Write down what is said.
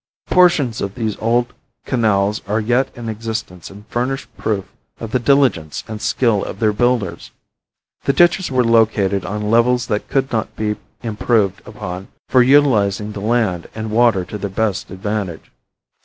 Portions of these old canals are yet in existence and furnish proof of the diligence and skill of their builders. The ditches were located on levels that could not be improved upon for utilizing the land and water to the best advantage.